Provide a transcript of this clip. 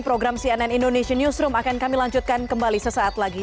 program cnn indonesia newsroom akan kami lanjutkan kembali sesaat lagi